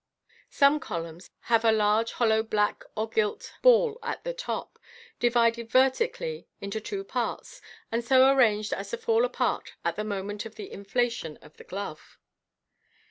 Some columns have a large hollow black or gilt ball at the top* 47© MODERN MAGIC, divided vertically into two parts, and so arranged as to fall apart at th» moment of the inflation of the glove.